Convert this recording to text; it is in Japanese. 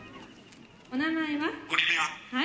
お名前は？